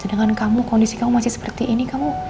sedangkan kamu kondisi kamu masih seperti ini kamu